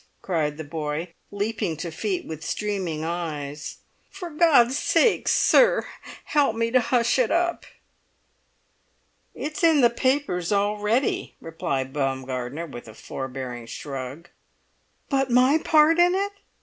cried the boy, leaping to feet with streaming eyes. "For God's sake, sir, help me to hush it up!" "It's in the papers already," replied Baumgartner, with a forbearing shrug. "But my part in it!"